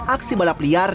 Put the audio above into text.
aksi balap liar